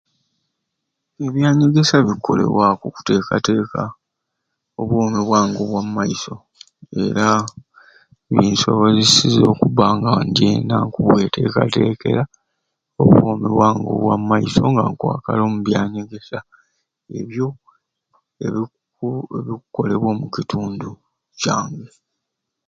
Ebyanyegesya bikukolebwaku okuteekateeka obwomi bwange obwamumaiso era kinsoboleseze okuba nga njena nkubwetekeratekera obwomi bwange obwamumaiso nga nkwakala omu byanyegesya ebyo ebi ebikukolebwa omukindu kyange